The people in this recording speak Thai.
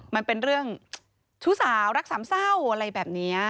มันเป็นเรื่องชู้สาวรักสามเศร้าอะไรแบบนี้